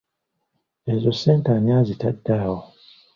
Ezo ssente ani azitadde awo?